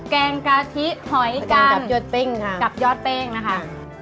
แกงกะทิหอยกันกับยอดเป้งค่ะ